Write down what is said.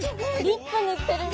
リップ塗ってる。